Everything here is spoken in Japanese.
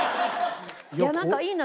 いやなんかいいな。